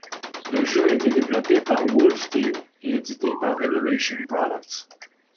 Le jeu a été développé par Wolf Team et édité par Renovation Products.